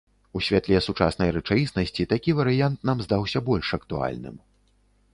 У святле сучаснай рэчаіснасці такі варыянт нам здаўся больш актуальным.